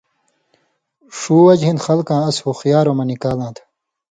ݜُو وجہۡ ہِن خلکاں اَس ہُخیارؤں مہ نی کالاں تھہ۔